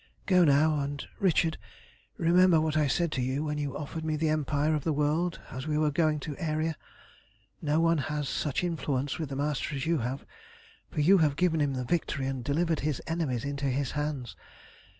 Go now, and, Richard, remember what I said to you when you offered me the empire of the world as we were going to Aeria. No one has such influence with the Master as you have, for you have given him the victory and delivered his enemies into his hands.